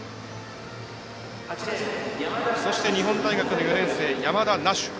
そして、日本大学の４年生山田那衆。